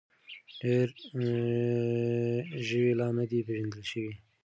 ډېر ژوي لا نه دي پېژندل شوي.